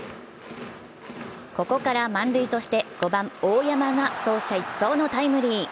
ここから満塁として５番・大山が走者一掃のタイムリー。